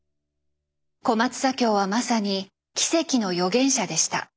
小松左京はまさに奇跡の予言者でした。